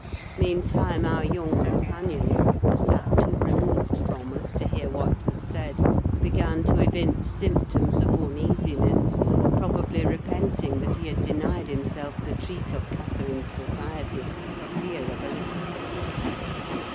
Meantime, our young companion, who sat too removed from us to hear what was said, began to evince symptoms of uneasiness, probably repenting that he had denied himself the treat of Catherine's society for fear of a little fatigue.